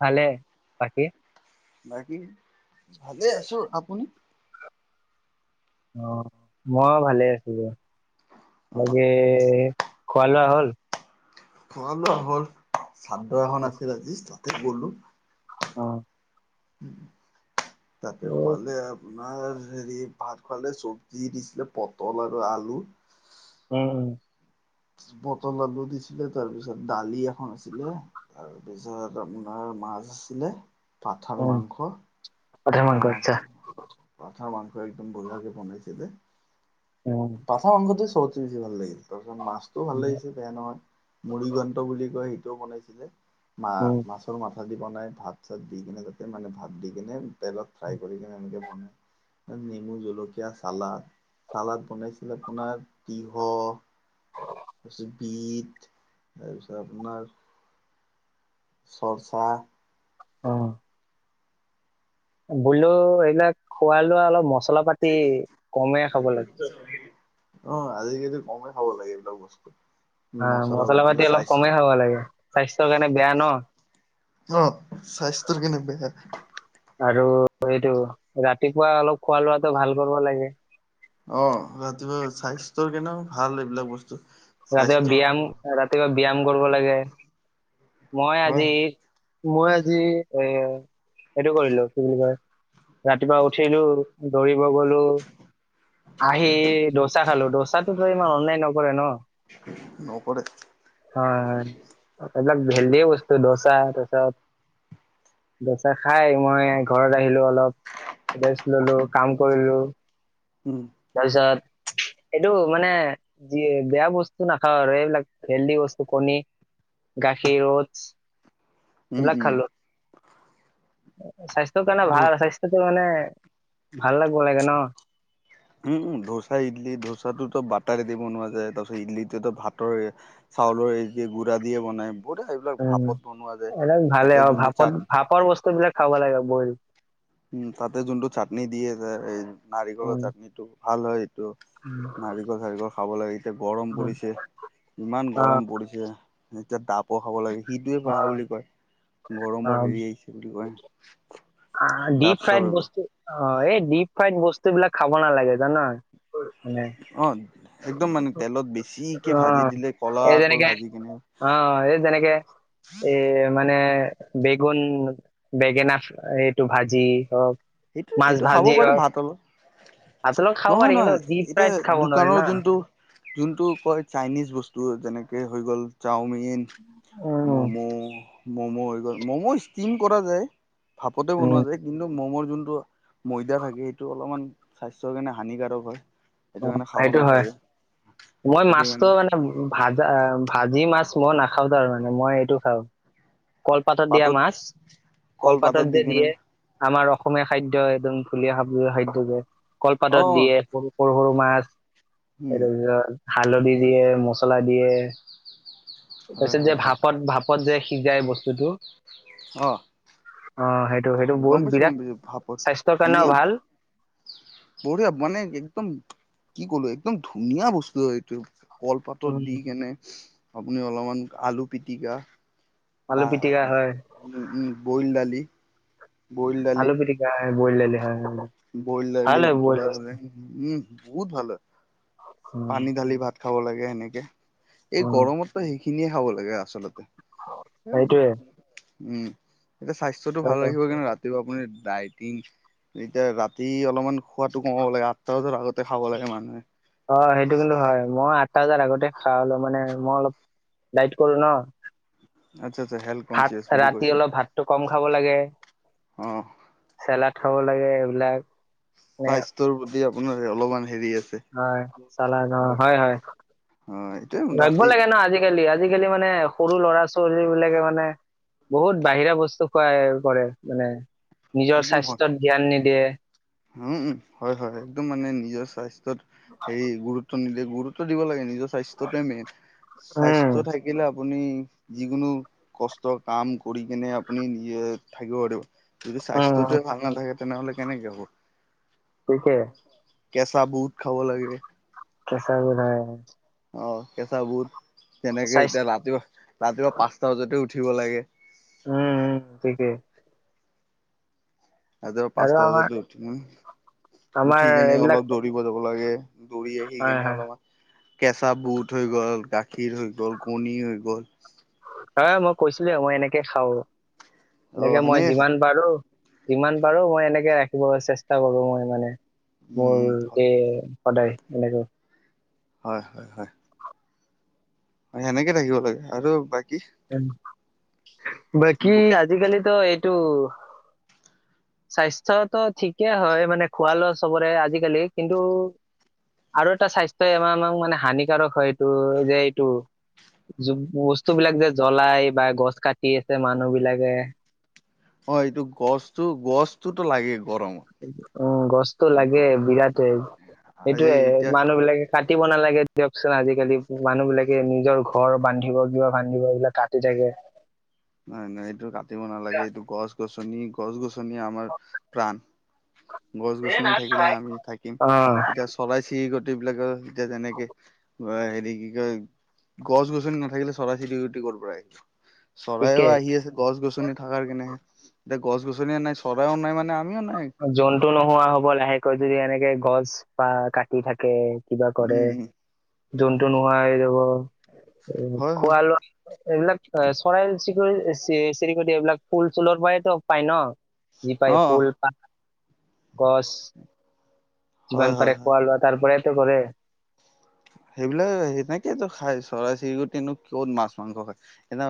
ভালে বাকী। বাকী ভালে আছো, আপুনি? অ' ময়ো ভালে আছো দিয়া। অ বাকী খোৱা লোৱা হ'ল। খোৱা হ'ল চাদ্ৰ এখন আছিল আজি তাতে গলোঁ। অহ' তাতে খোৱালে। আপোনাৰ হেৰি ভাত খোৱালে চব্জি দিছিলে পটল আৰু আলু। উম, উম। পটল আলু দিছিলে তাৰপিছত দালি এখন আছিলে, তাৰপিছত আপোনাৰ মাছ আছিলে। পাথাৰ উম মাংস, পঠাৰ পাথাৰ মাংস, আচ্ছা পাথাৰ মাংস। একদম বহিয়াকে বনাইছিলে, উম যে পাঠা মাংসতে চবতচে বেছি ভাল লাগিল। তাৰপিছত, মাছ ভাল লাগিছে, বেয়া নহয় মুৰিগন্তা বুলি কয়, সেইটোও বনাইছিলে মা উম মাছৰ মাত ভাজি বনাই ভাত চাত দি কেনে তাতে মানে ভাত দি কেনে তেলত ফ্ৰাই কৰি কিনে এনেকে বনাই। নেমু, জলকীয়া, চালাদ, চালাদ বনাইছিল আপোনাৰ তিয়হ তাৰপিছত বিট তাৰপিছত আপোনাৰ চৰচা অ' বোইলৰ এইবিলাক। খোৱা লোৱা অলপ মছলা পাতি কমেই খাব লাগে। অ' আজিকালি কমে খাব লাগে এইবিলাক বস্তু। আহ মছলা পাতি অলপ কমেই খাব লাগে, স্বাস্থ্যৰ কাৰণে বেয়া ন। অ' স্বাস্থ্যৰ কেনে বেয়া। আৰু এইটো ৰাতিপুৱা অলপ খোৱা লোৱাতটো ভাল কৰিব লাগে। অ' ৰাতিপুৱা স্বাস্থ্যৰ কেনে ভাল এইবিলাক বস্তু। ৰাতিপুৱা স্বাস্থ্য ব্যায়াম, ৰাতিপুৱা ব্যায়াম কৰিব লাগে। মই হয় আজি মই আজি এ এইটো কৰিলো কি বুলি কয় ৰাতিপুৱা উঠিলো দৌৰিব গলোঁ। আহি দচা খালো, দচাটোতো ইমান অনলাইন নকৰে ন। নকৰে। হয়, হয় এবিলাক দেলহিয় বস্তু ধচা তছা। দচা খাই মই ঘৰত আহিলো। অলপ ৰেষ্ট ললোঁ কাম কৰিলো উম তাৰপিছত। এইটো মানে যি বেয়া বস্তু নাখাওঁ আৰু এইবিলাক। হেলদি বস্তু কণী, গাখীৰ, ওটছ। উম হেইবিলাক উম খালোঁ, স্বাস্থ্যৰ কাৰণে ধ ভাল স্বাস্থ্যটো মানে। ভাল লাগিব লাগে ন। উম, উম ধোচা, ইডলি ধোচাটোতো বাট টাৰি দি বনোৱা যায় তাৰ পিছত ইডলিটো ভাতৰ চাউলৰ এই গুড়া দিয়ে বনায় উম, এই তাতে ভালেই আৰু যোনটো চাট ভাপত ভাপৰ বস্তু বিলাক খাব লাগে বয়ল। উম, তাতে যোনটো চাটনি দি আছে নাৰিকলৰ হয়। চাটনিটো ভাল হয়। তটো নাৰিকল চাৰিকল খাব লাগে এতিয়া গৰম পৰিছে। ইমান অ' গৰম পৰিছে। এতিয়া, তাপ পঢ়াব লাগে। সিটোৱে পঢ়া অ'। বুলি কয় গৰমৰ হেৰি আহিছে বুলি কয়। অ' ডাব ডীপ চাব ফ্ৰাইড এইবিলাক বস্তু। অ' এই ড্ৰিপ ফাইড বস্তু বিলাক খাব নালাগে জানা। মানে অ' একদম মানে তেলত বেছিকে অ ভাজি দিলে এই কলাকৈ যেনেকে ভাজি কিনে। অ' এই যেনেকে এই মানে। বেগন বেঙেনা এইটো ভাজি হওঁক। এইটো এইটো খাব পাৰে ভাত লগত। আপোনালোক খাব নহয়, পাৰি কিন্তু নহয়, ডিপ ফ্ৰাইড এতিয়া খাব নোৱাৰি দোকানৰ না যোনটো যোনতটো কয় চাইনিজ বস্তু যেনেকে হৈ গ'ল চাওমিন। যেন উম মম', মম' হৈ গ'ল, ম'ম' ষ্টিম কৰা যায়। ভাপতে বনোৱা উম যায় কিন্তু মম'ৰ যোনটো ময়দা থাকে, সেইটো অলপমান স্বাস্থ্যৰ কাৰণে হানিকাৰক হয়। অ' কাৰণে খাব সেইটো হয়, নালাগে মই সেইটো মাছটো কাৰণে মানে ভাজা ভাজি মাছ। মই নাখাওঁ কাৰণে, মই এইটো খাওঁ। কলপাতত দিয়া পাতত মাছ, কল কলপাতত পাতত দি যে কিনে দিয়ে। আমাৰ অসমীয়া খাদ্য একদম ধুনীয়া সাবজ খাদ্য যে অ কলপাতত দিয়ে। সৰু সৰু মাছ উম তাৰপিছত হালধি দিয়ে, মছলা দিয়ে। তাৰ হয় তাৰপিছত যে হয় হয় ভাপত ভাপত যে সিজায় বস্তুটো। অ' সেইটো টো সেইটো গম বহুত পাইছো গম বিৰাট পাইছো স্বাস্থ্যৰ কাৰণেও ভাল। বহুতে মানে একদম। কি কলো একদম ধুনীয়া বস্তু হয়, এইটো কলপাতৰ উম দি কেনে। আপুনি অলপমান আলু পিটিকা আলু তাৰ পিটিকা হয় উ বইল দালি। বইল দালি, আলু পিটিকা হয় বইল দালি হয় হয়। বইল ভাল দালি হয় বইল উতলা মাছ। দালে উম। বহুত ভালে হয়। উম পানী ঢালি ভাত খাব লাগে এনেকে। এই উম গৰমতো সেইখিনিয়ে খাব লাগে আচলতে। সেইটোয়ে উম, এতিয়া স্বাস্থ্যটো অ ভাল ৰাখিব কাৰণে ৰাতি আপুনি দাইটিং এতিয়া ৰাতি অলপমান খোৱাটো কমাব লাগে আঠটা বজাৰ আগত খাব লাগে মানুহে। হয়, হয়। সেইটো কিন্তু হয় মই আঠটা বজাৰ আগতে খা হ'ল মানে মই অলপ ডাইট কৰো ন। আচ্ছা আচ্ছা হেল্থ কনচিয়াছ ভাত বুলি কয় ৰাতি যে অলপ ভাতটো কম খাব লাগে, অ চেলাড খাব লাগে এইবিলাক মানে স্বাস্থ্যৰ প্ৰতি আপোনাৰ অলপমান হেৰি আছে হয়, চালাদ অ' হয়, হয়, হয় এইটোৱে লাগিব ৰাতি লাগে ন আজিকালি আজিকালি মানে সৰু ল'ৰা ছোৱালী বিলাকে মানে বহুত বাহিৰা বস্তু খুৱাই কৰে মানে নিজৰ একদম হয় স্বাস্থ্যত ধ্যান নিদিয়ে। উম, হয়, হয়, একদম মানে নিজৰ স্বাস্থ্যত হেৰি গুৰুত্ব নিদিলে। গুৰুত্ব দিব লাগে, নিজৰ স্বাস্থ্যটোৱে মেইন, উম স্বাস্থ্য থাকিলে আপুনি যিকোনো কষ্ট কাম কৰি কেনে আপুনি থাকিব পাৰিব। যদি উম স্বাস্থ্যটোৱে ভাল নাথাকে তেনেহ'লে কেনেকে হ'ব। টিকে কেচা বুট খাব লাগে। কেচা বুট অ' অ' কেঁচা বুট তেনেকে স্বাস্থ এতিয়া ৰাতিপুৱা ৰাতিপুৱা পাঁচটা বজাতে উঠিব লাগে। উম, উম, ঠিকেই। ৰাতিপুৱা আৰু পাঁচটা আমাৰ বজাতে উঠি আমাৰ উঠি কেনে এইবিলাক অলপ দৌৰিব যাব লাগে। দৌৰি আহি হয় কেনে হয় অলপমান। কেঁচা বুট হৈ গ'ল গাখীৰ হৈ গ'ল কণী হৈ গ'ল এ মই কৈছিলো, মই এনেকে খাওঁ। অ এনেকে মই সেনেকে খাই যিমান পাৰো। যিমান পাৰো মই এনেকে ৰাখিব চেষ্টা কৰো মই মানে মোৰ উম দে। সদায় এনেকৈ হয়, হয়, হয়। হয়, সেনেকে থাকিব লাগে আৰু বাকী যেন বাকী আজিকালিতো এইটো। স্বাস্থ্যতো ঠিকেই হয় মানে খোৱা লোৱা চবৰে আজিকালি কিন্তু আৰু এটা স্বাস্থ্যই আমাক মানে হানিকাৰক হয় এইটো যে এইটো বস্তুবিলাক যে জ্বলাই বা গছ কাটি আছে মানুহ বিলাকে অ' এইটো গছতো গছতোতো লাগে গৰমত। উম, গছতো লাগে বিৰাটে আজি সেইটোয়ে এতিয়া মানুহ বিলাকে। কাটিব নালাগে দিয়কচোন। আজিকালি মানুহব বিলাকে নিজৰ ঘৰ বান্ধিব কিবা বান্ধিব এইবিলাক কাটি থাকে। সেইয়া নাই। নাই। এইটো কাটিব নালাগে, এইটো গছ গছনি গছ গছনি আমাৰ প্ৰাণ। গছ গছনি থাকিলে আমি থাকিম। অ এতিয়া চৰাই চিৰিকটি বিলাকৰ এতিয়া যেনেকে অ' হেৰি কি কয় গছ গছনি নাথাকিলে চৰাই চিৰিকটি কৰ পৰা আহিব। চৰাইও ঠিকে আহি আছে, গছ গছনি থাককাৰ কাৰণে, এতিয়া গছ গছনিয়ো নাই চৰাইও নাই মানে। আমিও নাই জন্তু নোহোৱা হ'ব লাহেকৈ যদি এনেকে গছ বা কাটি থাকে। কিবা কৰে উম উম জন্ত নোহোৱা হৈ যাব। উ হয় হয় খোৱা লোৱা এইবিলাক চৰাই চিৰিকটি চেৰি চিৰিকটি এইবিলাক ফুল চুলৰ পৰাতো পায় ন যি পায় অ অ ফুল গচ হয় যিমান হয় পাৰে হয় খোৱা লোৱা তাৰপৰাই কৰে সেইবিলাক সেনেকেটো খাই চৰাই চিৰিকতিনো ক'ত মাছ, মাংস খায়। এ ন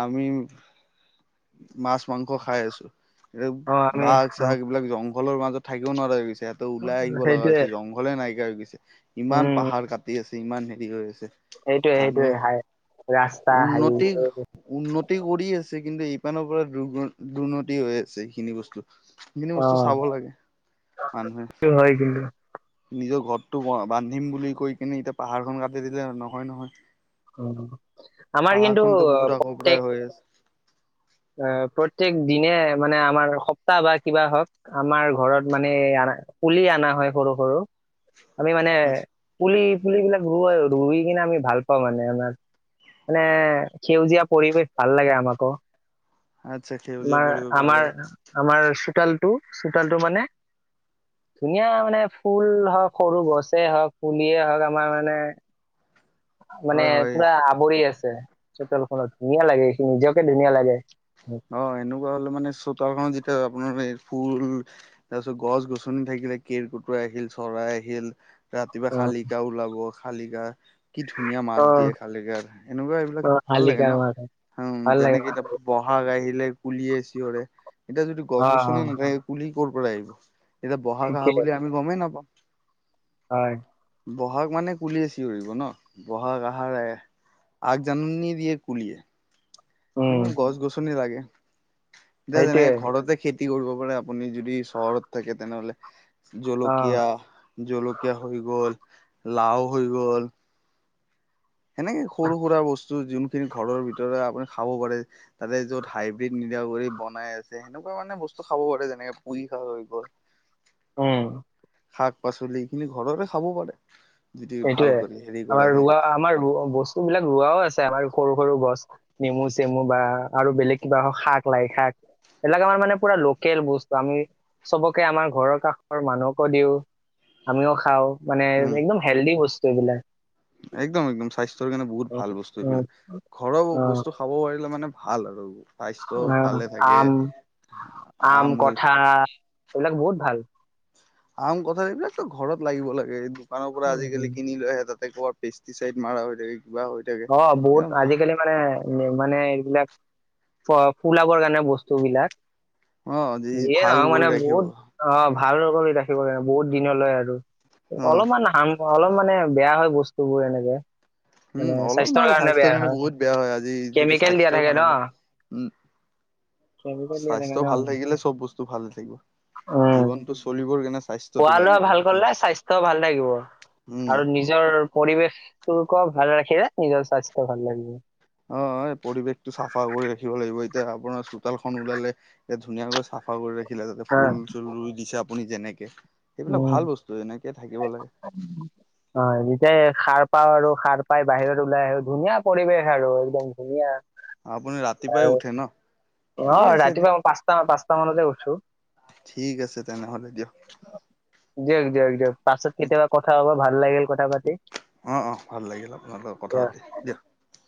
আমি মাছ, মাংস খাই আছো। এই অ আমি বাঘ অ, চাঘ এইবিলাক জংঘলৰ মাজত থাকিবও নোৱাৰে। সিহঁতে ওলাই আহিব লগা সেইটোয়ে হৈছে। জংঘলে নাইকিয়া হৈ গৈছে ইমান উম পাহাৰ কাটি ইমান হেৰি হৈ আছে। সেইটোয়ে মানহে সেইটোয়ে হাই ৰাস্তা উন্নতি হাইৱে উন্নতি কৰি আছে। কিন্তু ইপানৰ পৰা দু দুৰ্নতি হৈ আছে, সেইখিনি বস্তু। এই খিনি অ বস্তু চাব লাগে মানুহে। সেইটো হয় কিন্তু নিজৰ ঘৰটো বান্ধিম বুলি কৈ কিনে এতিয়া পাহাৰখন কাটি দিলে নহয়, নহয়। উম। আমাৰ কিন্তু পাহাৰখনতো আহ, বহুত আগৰ প্ৰত্যেক পৰাই হৈ আছে। আহ, প্ৰত্যেক দিনে মানে আমাৰ সপ্তাহ বা কিবা হওঁক আমাৰ ঘৰত মানে পুলি অনা হয় সৰু সৰু। [unintelligible] আমি মানে আচ্ছা পুলি পুলিবিলাক ৰু ৰুই কিনে আমি ভাল পাওঁ মানে আমাৰ। মানে সেউজীয়া পৰিৱেশ ভাল লাগে আমাকো। আচ্ছা সেউজীয়া আমাৰ, পৰিৱেশ ভাল আমাৰ, লাগে আমাৰ চোতালটো চোতালটো মানে ধুনীয়া মানে ফুল হওঁক সৰু গছে হওঁক পুলিয়ে হওঁক আমাৰ মানে। মানে হয় হয়। পুৰা আৱৰি আছে চোতালখনত ধুনীয়া লাগে। এই খিনি নিজকে ধুনীয়া লাগে। অ' এনেকুৱা হ'লে মানে চোতালখন যেতিয়া আপোনাৰ এই ফুল তাৰপিছত গছ গছনি থাকিলে কেৰ কুটুৱ আহিল চৰাই আহিল। ৰাতিপুৱা অ শালিকা ওলাব, শালিকা। কি ধুনীয়া অ মাত দিয়ে, খালীকাৰ এনেকুৱা অ এইবিলাক ভাল লাগে শালিকা ন। মাছ উম, ভাল লাগে যেনেকে এতিয়া পথ। আহিলে কুলিয়ে চিঞৰে, এতিয়া যদি গছ অ অ গছনি নাথাকে কুলি ক'ৰ পৰা আহিব। এতিয়া ব'হাগ আহা ঠিকেই বুলি আমি গমেই নাপাওঁ। হয়। ব'হাগ মানে কুলিয়ে চিঞৰিব ন ব'হাগ আহাৰ। আগ জাননী দিয়ে কুলিয়ে। উম গছ গছনি লাগে এতিয়া যেনেকে সেইটোয়ে ঘৰতে খেতি খেতি কৰিব পাৰে আপুনি যদি চহৰত থাকে তেনে হ'লে অ জলকীয়া, জলকীয়া হৈ গ'ল লাও হৈ গ'ল। সেনেকে সৰু সুৰা বস্তু। তো জিনটিনি ঘৰৰ ভিতৰত আপুনি খাব পাৰে, তাতে য'ত হাইব্ৰীড নিদিয়া কৰি বনাই আছে, সেনেকুৱা। মানে বস্তু খাব পাৰে, যেনেকে পুৰি শাক হৈ গ'ল। উম। শাক পাচলি এইখিনি ঘৰৰে খাব পাৰে। যদি ভাল সেইটোয়ে কৰি হেৰি কৰা আমাৰ যায় ৰোৱা আমাৰ বস্তু বিলাক ৰোৱাও আছে। আমাৰ সৰু সৰু গছ নেমু চেমু বা আৰু বেলেগ কিবা হক শাক, লাই শাক। এইবিলাক আমাৰ মানে পুৰা লোকেল বস্তু আমি চবকে আমাৰ ঘৰৰ কাষৰ মানুহকো দিওঁ। আমিও খাওঁ মানে উম একদম হেল্দি বস্তু এইবিলাক। একদম একদম স্বাস্থ্যৰ কাৰণে বহুত ভাল বস্তু উম, সেইবিলাক ঘৰৰ বস্তু খাব পাৰিলে মানে ভাল আৰু স্বাস্থ্য আহ, ভালে থাকে আম, আম, কঁঠাল। এইবিলাক বহুত ভাল। আম, কঁঠাল এইবিলাকতো ঘৰত লাগিব লাগে দোকানৰ পৰা উম, আজিকালি কিনি লৈ আহে ত পোৱা পেষ্টিছাইড মাৰা হৈ থাকে। কিবা হৈ থাকে অ' বহুত একদম ভা আজিকালি মানে। এ মানে এইবিলাক ফুলাবৰ কাৰণে বস্তু বিলাক। অ যি যিয়ে ভাল নহক কৰি মানে ৰাখিব বহুত অ' ভাল কৰি ৰাখিব লাগে বহুত দিনলৈ আৰু অ অলপমান হাম অলপ মানে বেয়া হয় বস্তুবোৰ এনেকে মানে উম, অলপ নহয় স্বাস্থ্যৰ বেয়া কাৰণে হয় বহুত বেয়া হয়, আজি যদি কেমিকেল দিয়া স্বাস্থ্যই থাকে ভাল ন নাথাকে। উম। কেমিকেল দিয়া থাকে স্বাস্থ্য ন ভাল থাকিলে চ'ব বস্তু ভালে থাকিব। উম জীৱনতটো চলিবৰ কেনে খোৱা লোৱা ভাল কৰিলে স্বাস্থ্য ভালে থাকিব। উম আৰু নিজৰ পৰিৱেশটোকো ভালে ৰাখিলে নিজৰ স্বাস্থ্য ভাল লাগিব। অ' এই পৰিৱেশতটো চাফা কৰি ৰাখিব লাগিব, এতিয়া আপোনাৰ চোতালখন ওলালে ধুনীয়াকৈ চাফা কৰি ৰাখিলে যাতে হা, ফুল চুল ৰুই দিছে আপুনি যেনেকে। সেইবিলাক ভাল উম, বস্তু এনেকে থাকিব লাগে অ' যেতিয়াই সাৰ পাওঁ আৰু সাৰ পাই বাহিৰত ওলাই আহো, ধুনীয়া পৰিৱেশ আৰু একদম ধুনীয়া। আপুনি ৰাতিপুৱাই আৰু উঠে ন ঠিকে আছে দিয়া ৰাতিপুৱা মই পাঁচটা পাঁচটামানতে উঠো ঠিক আছে তেনেহ'লে দিয়ক। দিয়ক, দিয়ক, দিয়ক পাছত কেতিয়াবা কথা হ'ব ভাল লাগিল কথা পাতি। অ' অ' ভাল লাগিল আপোনালোকৰ দিয়ক কথা পাতি দিয়াক।